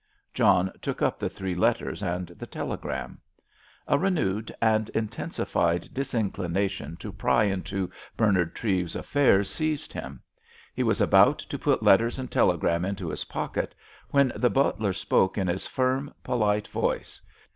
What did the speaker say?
John took up the three letters and the telegram. A renewed and intensified disinclination to pry into Bernard Treves's affairs seized him. He was about to put letters and telegram into his pocket when the butler spoke in his firm, polite voice.